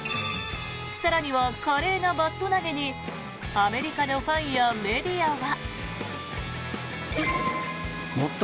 更には華麗なバット投げにアメリカのファンやメディアは。